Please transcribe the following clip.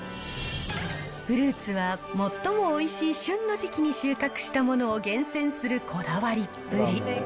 フルーツは最もおいしい旬の時期に収穫したものを厳選するこだわりっぷり。